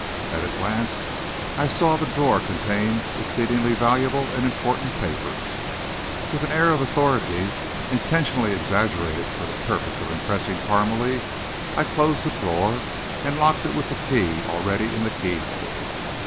At a glance, I saw the drawer contained exceedingly valuable and important papers. With an air of authority, intentionally exaggerated for the purpose of impressing Parmalee, I closed the drawer, and locked it with the key already in the keyhole.